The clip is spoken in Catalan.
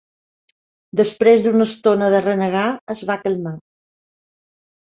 Després d'una estona de renegar, es va calmar.